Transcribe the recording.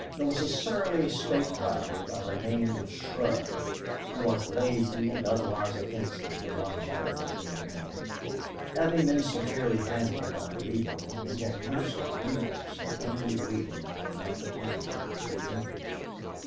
There was a surly stake driver by the name of Shurd who was lazy and otherwise offensive among hard working men. Having been severely handled by Neale, he had nursed a grievance and only waited for an opportunity for revenge.